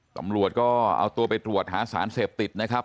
ตำรวจก็เอาตัวไปตรวจหาสารเสพติดนะครับ